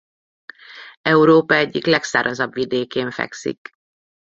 Európa egyik legszárazabb vidékén fekszik.